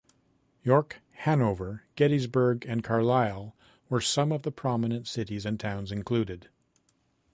York, Hanover, Gettysburg and Carlisle were some of the prominent cities and towns included.